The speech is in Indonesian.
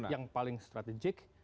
yang paling strategik